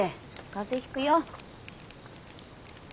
風邪ひくよ。